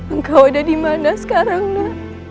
engkau ada di mana sekarang nak